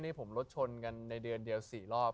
นี่ผมรถชนกันในเดือนเดียว๔รอบ